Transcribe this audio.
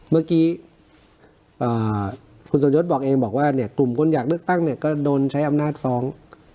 เมื่อกี้คุณสมยศบอกเองบอกว่าเนี่ยกลุ่มคนอยากเลือกตั้งเนี่ยก็โดนใช้อำนาจฟ้อง